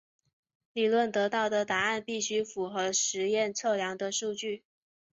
理论得到的答案必须符合实验测量的数据。